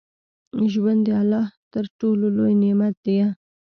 ژوند د الله تر ټولو لوى نعمت ديه.